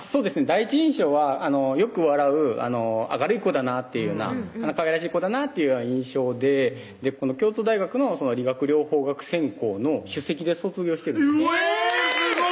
第一印象はよく笑う明るい子だなっていうようなかわいらしい子だなっていう印象で京都大学の理学療法学専攻の主席で卒業してるんですえぇ！